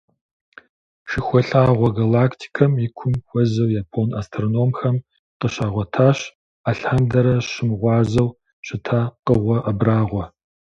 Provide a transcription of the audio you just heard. Шыхулъагъуэ галактикэм и кум хуэзэу япон астрономхэм къыщагъуэтащ алъандэрэ зыщымыгъуазэу щыта пкъыгъуэ абрагъуэ.